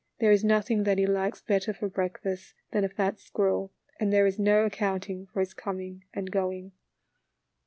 There is nothing that he likes better for breakfast than a fat squirrel , and there is no accounting for his coming and going.